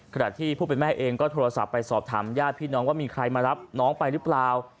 ขณะที่ผู้เป็นแม่เองก็โทรศัพท์ไปสอบถามญาติพี่น้องว่ามีใครมารับน้องไปหรือเปล่า